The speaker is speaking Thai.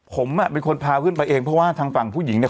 ผมเป็นคนพาขึ้นไปเองเพราะว่าทางฝั่งผู้หญิงเนี่ย